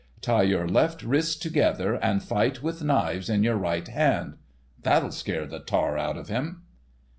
"Tie your left wrists together, and fight with knives in your right hand. That'll scare the tar out of him."